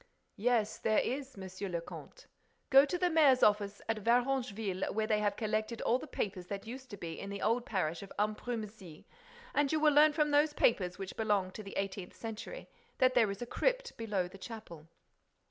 "Yes, there is, Monsieur le Comte. Go to the mayor's office at Varengeville, where they have collected all the papers that used to be in the old parish of Ambrumésy, and you will learn from those papers, which belong to the eighteenth century, that there is a crypt below the chapel.